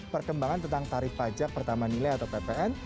perkembangan tentang tarif pajak pertama nilai atau ppn